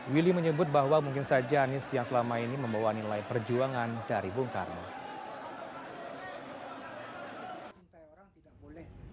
willy menyebut bahwa mungkin saja anies yang selama ini membawa nilai perjuangan dari bung karno